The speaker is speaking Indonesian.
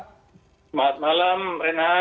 selamat malam renhat